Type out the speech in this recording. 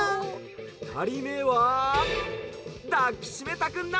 「ふたりめは抱きしめたくなるさん」。